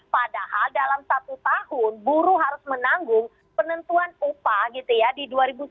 padahal dalam satu tahun buruh harus menanggung penentuan upah gitu ya di dua ribu sembilan belas